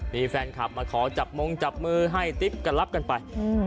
มีแฟนคลับมาขอจับมงจับมือให้ติ๊บก็รับกันไป